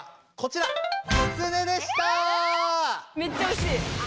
めっちゃおしい。